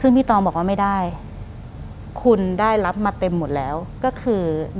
หลังจากนั้นเราไม่ได้คุยกันนะคะเดินเข้าบ้านอืม